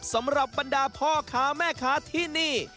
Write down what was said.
สำหรับบรรดาพ่อค้าแม่ค้าที่นี่